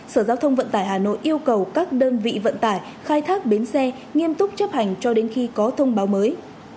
sở giao thông vận tải hà nội yêu cầu các đơn vị vận tải khai thác bến xe nghiêm túc chấp hành cho đến khi có thông báo mới